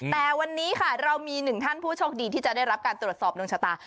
แต่วันนี้ค่ะเรามีหนึ่งท่านผู้โชคดีที่จะได้รับการตรวจสอบดวงชะตา